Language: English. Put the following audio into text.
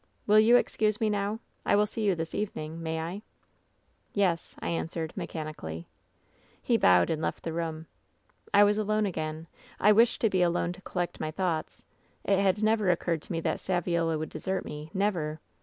Will you excuse me now ? I will see you this evening. May I V " 'Yes,' I answered, mechanically. "He bowed and left the room. "I was alone again. I wished to be alone to collect my thoughts. It had never occurred to me that Saviola would desert me — never!